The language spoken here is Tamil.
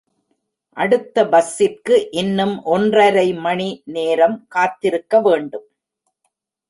அடுத்த பஸ்ஸிற்கு இன்னும் ஒன்றரை மணி நேரம் காத்திருக்க வேண்டும்.